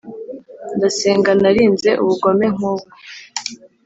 ndasenga narinze ubugome nkubwo,